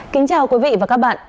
kính chào quý vị và các bạn